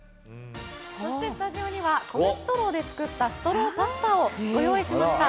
そして、スタジオにはストローで作ったストローパスタをご用意しました。